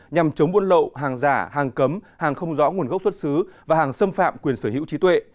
nhằm chống buôn lậu hàng giả hàng cấm hàng không rõ nguồn gốc xuất xứ và hàng xâm phạm quyền sở hữu trí tuệ